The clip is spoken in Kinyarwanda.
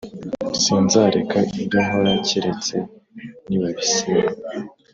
Sinzareka ibyo nkora keretse nibabisenya